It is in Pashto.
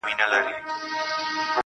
زما په سترگو كي را رسم كړي.